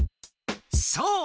そう！